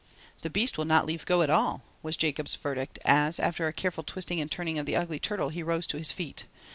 "The beast will not leave go at all," was Jacob's verdict as after a careful twisting and turning of the ugly turtle he rose to his feet.